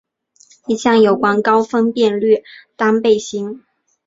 一项有关高分辨率单倍型。